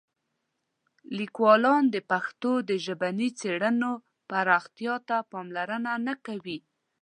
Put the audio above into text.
لیکوالان د پښتو د ژبني څېړنو پراختیا ته پاملرنه نه کوي.